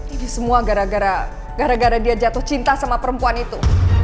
ini semua gara gara dia jatuh cinta sama perempuan itu